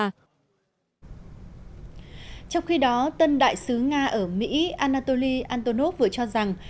trong khi đó tân đại sứ nga ở mỹ anatoly antonov vừa cho rằng